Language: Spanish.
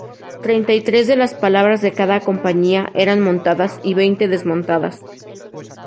Treinta y tres de las plazas de cada compañía eran montadas y veinte desmontadas.